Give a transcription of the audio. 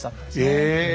え！